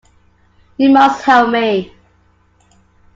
You must help me.